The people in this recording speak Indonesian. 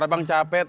coba kita berdua